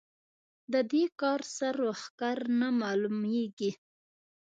د دې کار سر و ښکر نه مالومېږي.